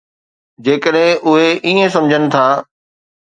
جيڪڏهن اهي ائين سمجهن ٿا.